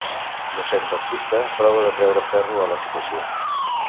Mossèn Baptista prova de treure ferro a la situació.